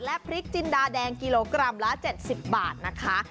และพริกจินดาแดงกิโลกรัมละ๗๐บาทนะคะ